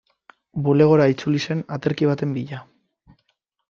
Bulegora itzuli zen aterki baten bila.